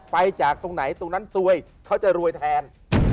ไปจากตรงไหนตรงนั้นซวยเขาจะรวยแทน